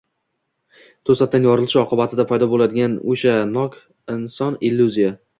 to‘satdan yorilishi oqibatida paydo bo‘ladigan o‘sha shok. Inson “illyuziya”